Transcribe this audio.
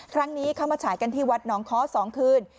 ครั้งนี้เข้ามาฉายกันที่วัดน้องค้อ๒คืน